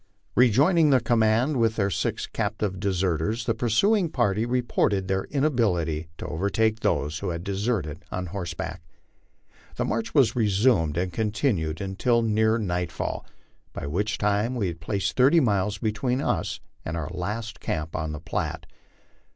Rejoining the command with their six captive deserters, the pursuing party reported their inability to overtake those who had deserted on horseback. The march was resumed and continued until near nightfall, by which time we had placed thirty miles between us and our last camp on the Platte.